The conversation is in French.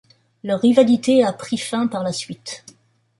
Leur rivalité a pris fin par la suite.